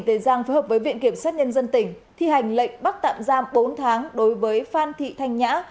đề giang phù hợp với viện kiểm soát nhân dân tỉnh thi hành lệnh bắt tạm giam bốn tháng đối với phan thị thanh nhã